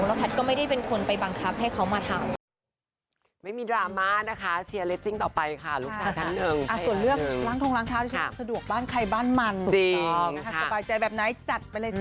แล้วแพทย์ก็ไม่ได้เป็นคนไปบังคับให้เขามาทำ